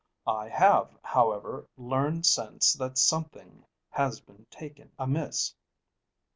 I have, however, learned since that something has been taken amiss.